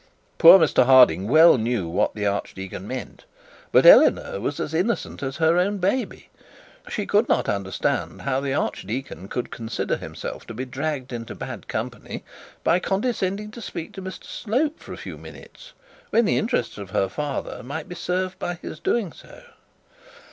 Poor Mr Harding knew well what the archdeacon meant, but Eleanor was as innocent as her own baby. She could not understand how the archdeacon could consider himself to be dragged into bad company by condescending to speak to Mr Slope for a few minutes when the interests of her father might be served by doing so.